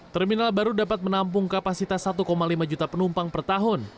terminal baru dapat menampung kapasitas satu lima juta penumpang per tahun